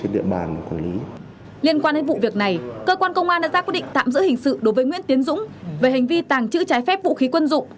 đối với nguyễn tiến dũng về hành vi tàng trữ trái phép vũ khí quân dụng